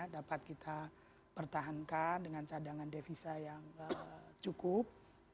dapat kita pertahankan dengan cadangan devisa yang cukup